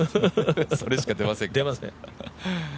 それしか出ません。